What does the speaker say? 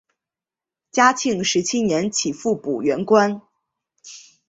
嘉庆十七年起复补原官。